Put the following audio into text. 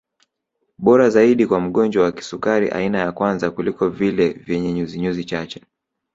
Bora zaidi kwa mgonjwa wa kisukari aina ya kwanza kuliko vile vyenye nyuzinyuzi chache